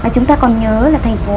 chúng ta còn nhớ là thành phố